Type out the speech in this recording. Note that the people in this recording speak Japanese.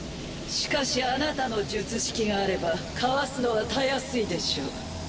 しかしあなたの術式があればかわすのはたやすいでしょう。